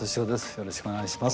よろしくお願いします。